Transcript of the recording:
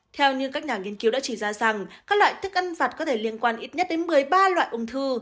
theo như các nhà nghiên cứu đã chỉ ra rằng các loại thức ăn vặt có thể liên quan ít nhất đến một mươi ba loại ung thư